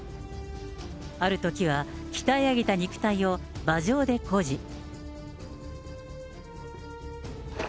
あるときは鍛え上げた肉体を馬上で誇示。